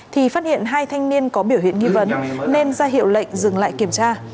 thì phát hiện hai thanh niên có biểu hiện nghi vấn nên ra hiệu lệnh dừng lại kiểm tra